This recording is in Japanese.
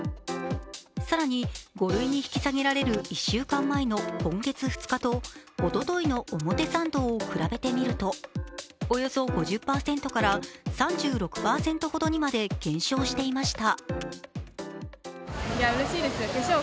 更に、５類に引き下げられる１週間前の、今月２日と、おとといの表参道を比べてみるとおよそ５０％から３６％ほどにまで減少していました。